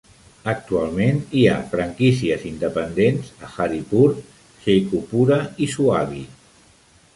Actualment hi han franquícies independents a Haripur, Sheikhupura i Swabi.